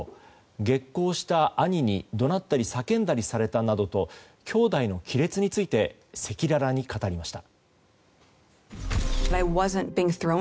激高した兄に怒鳴ったり叫んだりされたなどと兄弟の亀裂について赤裸々に語りました。